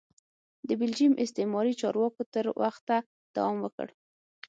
د بلجیم استعماري چارواکو تر وخته دوام وکړ.